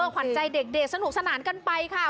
ขวัญใจเด็กสนุกสนานกันไปค่ะ